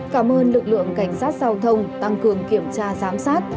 cảm ơn lực lượng cảnh sát giao thông tăng cường kiểm tra giám sát